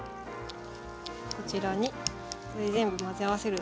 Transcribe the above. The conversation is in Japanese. こちらにこれ全部混ぜ合わせるだけ。